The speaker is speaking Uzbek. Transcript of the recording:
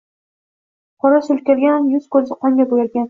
Qora surkalgan yuz-ko‘zi qonga bo‘yalgan.